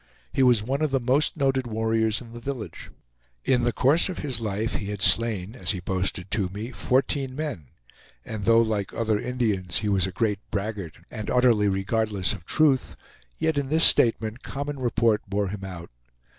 He was one of the most noted warriors in the village. In the course of his life he had slain as he boasted to me, fourteen men, and though, like other Indians, he was a great braggart and utterly regardless of truth, yet in this statement common report bore him out.